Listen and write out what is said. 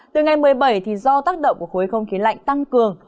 từ ngày một mươi bảy do tác động của khối không khí lạnh tăng cường